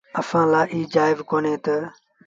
اسآݩٚ لآ ايٚ جآئيز ڪونهي تا